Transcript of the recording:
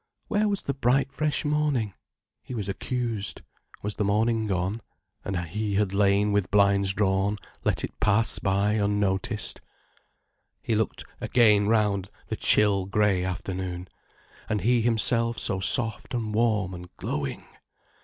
Where was the bright, fresh morning? He was accused. Was the morning gone, and he had lain with blinds drawn, let it pass by unnoticed? He looked again round the chill, grey afternoon. And he himself so soft and warm and glowing!